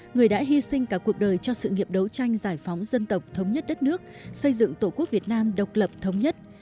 người đã hy sinh cả cuộc đời cho sự nghiệp đấu tranh giải phóng dân tộc thống nhất đất nước xây dựng tổ quốc việt nam độc lập thống nhất